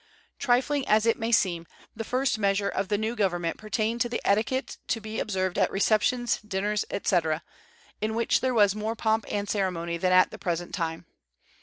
Trifling as it may seem, the first measure of the new government pertained to the etiquette to be observed at receptions, dinners, etc., in which there was more pomp and ceremony than at the present time.